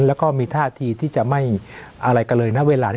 และมีท่าทีที่จะไม่อะไรกันเลย